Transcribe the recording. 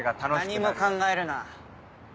何も考えるな！